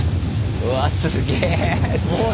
うわすげえ！